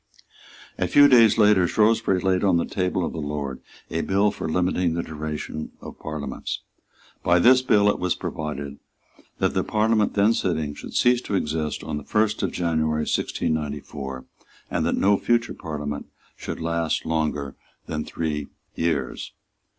A few days later Shrewsbury laid on the table of the Lord a bill for limiting the duration of Parliaments. By this bill it was provided that the Parliament then sitting should cease to exist on the first of January 1694, and that no future Parliament should last longer than three years.